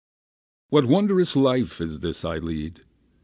What wond'rous life in this I lead!